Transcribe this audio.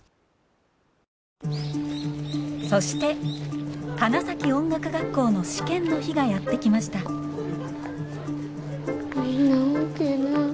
そして花咲音楽学校の試験の日がやって来ましたみんな大けぇな。